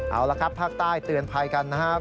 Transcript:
เอาละครับภาคใต้เตือนภัยกันนะครับ